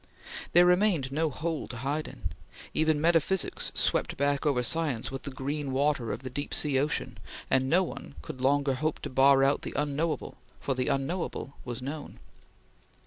There remained no hole to hide in. Even metaphysics swept back over science with the green water of the deep sea ocean and no one could longer hope to bar out the unknowable, for the unknowable was known.